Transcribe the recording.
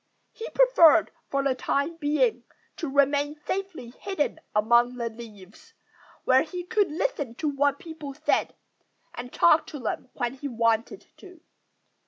He preferred, for the time being, to remain safely hidden among the leaves, where he could listen to what people said and talk to them when he wanted to.